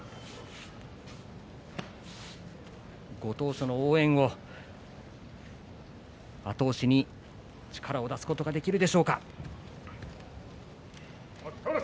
ご当所の応援を後押しに力を出すことができるでしょうか。